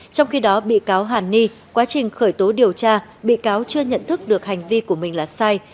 trong khi đó bị cáo hàn ni quá trình khởi tố điều tra bị cáo chưa nhận thức được hành vi của mình là sai